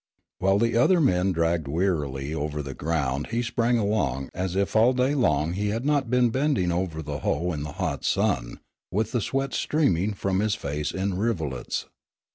While the other men dragged wearily over the ground he sprang along as if all day long he had not been bending over the hoe in the hot sun, with the sweat streaming from his face in rivulets.